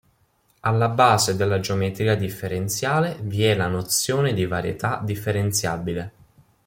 Alla base della geometria differenziale vi è la nozione di varietà differenziabile.